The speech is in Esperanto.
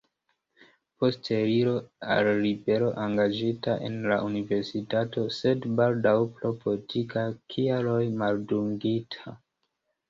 Post eliro al libero engaĝita en la Universitato, sed baldaŭ pro politikaj kialoj maldungita.